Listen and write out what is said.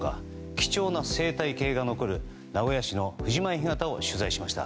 貴重な生態系が残る名古屋市の藤前干潟を取材しました。